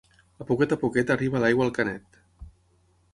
A poquet a poquet arriba l'aigua al canet.